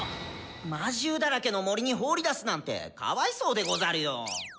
⁉魔獣だらけの森に放り出すなんてかわいそうでござるよ。